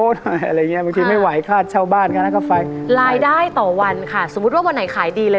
สมมุติว่าวันไหนขายดีเลย